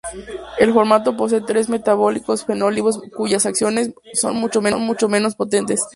El fármaco posee tres metabolitos fenólicos activos cuyas acciones son mucho menos potentes.